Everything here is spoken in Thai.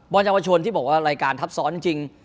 บอลชาติวัทชนที่บอกว่ารายการทับซ้อนจริง